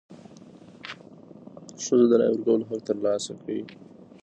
ښځو د رایې ورکولو حق تر لاسه کړ.